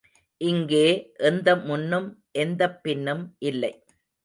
இங்கே எந்த முன்னும் எந்தப் பின்னும் இல்லை.